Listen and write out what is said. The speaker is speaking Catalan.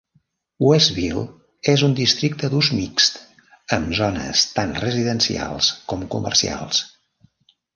Westville és un districte d'ús mixt, amb zones tant residencials com comercials.